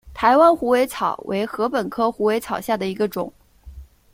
台湾虎尾草为禾本科虎尾草下的一个种。